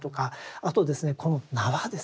あとこの縄ですね。